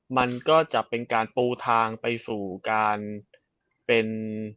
มันก็จะเป็นการปูทางไปสู่การเป็น